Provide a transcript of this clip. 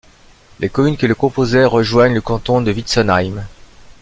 Les communes qui le composaient rejoignent le canton de Wintzenheim.